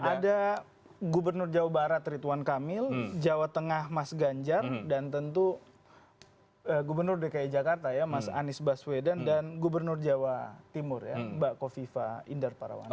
ada gubernur jawa barat rituan kamil jawa tengah mas ganjar dan tentu gubernur dki jakarta ya mas anies baswedan dan gubernur jawa timur ya mbak kofifa indar parawansa